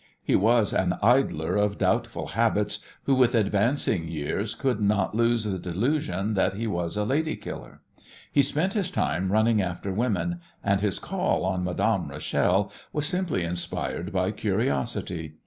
He was an idler of doubtful habits, who, with advancing years, could not lose the delusion that he was a lady killer. He spent his time running after women, and his call on Madame Rachel was simply inspired by curiosity.